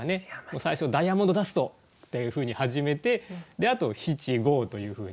最初「ダイヤモンドダスト」っていうふうに始めてあと七五というふうに。